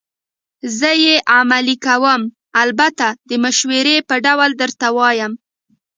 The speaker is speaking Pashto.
زه یې عملي کوم، البته د مشورې په ډول درته وایم.